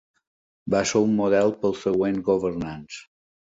Va ser un model pels següents governants.